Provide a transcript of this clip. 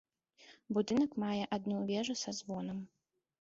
Будынак мае адну вежу са звонам.